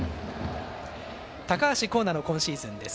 高橋光成の今シーズンです。